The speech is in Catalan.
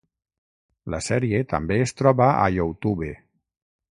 La sèrie també es troba a YouTube.